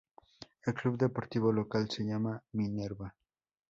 El club deportivo local se llama Minerva.